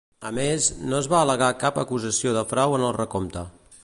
A més, no es va al·legar cap acusació de frau en el recompte.